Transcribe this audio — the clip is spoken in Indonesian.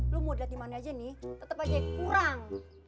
lo mau diliat dimana aja nih tetep aja kurang